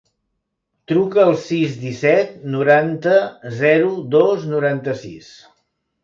Truca al sis, disset, noranta, zero, dos, noranta-sis.